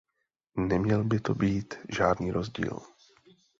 Neměl by to být žádný rozdíl.